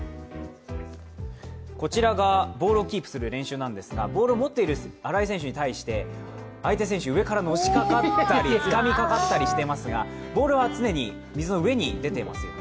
こちらがボールをキープする練習なんですけれどもボールを持っている荒井選手に対して相手選手、上からのしかかったり、つかみかかったりしていますが、ボールは常に水の上に出てますね。